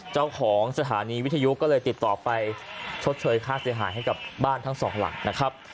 เจ้าของสถานีวิทยุก็เลยติดต่อไปชดเชยค่าเสียหายให้กับบ้านทั้งสองหลังนะครับ